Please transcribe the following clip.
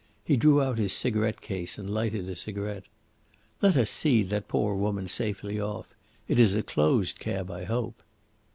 He drew out his cigarette case and lighted a cigarette. "Let us see that poor woman safely off. It is a closed cab I hope."